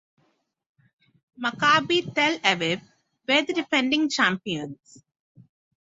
Maccabi Tel Aviv were the defending champions.